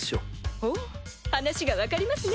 ほう話が分かりますね。